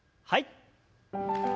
はい。